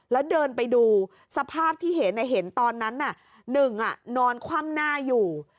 แล้วเดินไปดูสภาพที่เห็นเห็นตอนนั้นหนึ่งนอนคว่ำหน้าอยู่